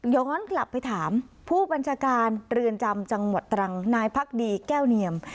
ย้อนกลับไปถามผู้บัญชาการเรือนจำจังหวัดตรังนายพักดีแก้วเนียม